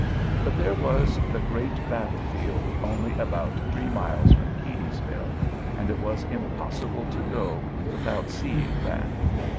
But there was the great battle field only about three miles from Keedysville, and it was impossible to go without seeing that.